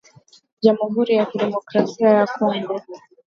jamuhuri ya kidemokrasia ya Kongo